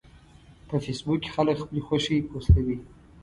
په فېسبوک کې خلک خپلې خوښې پوسټوي